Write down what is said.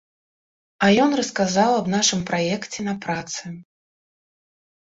А ён расказаў аб нашым праекце на працы.